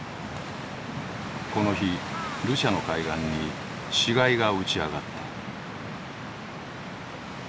この日ルシャの海岸に死骸が打ち上がった。